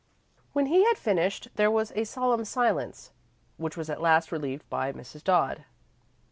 When he had finished, there was a solemn silence, which was at last relieved by Mrs. Dodd.